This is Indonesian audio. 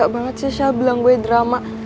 banget sih syah bilang gue drama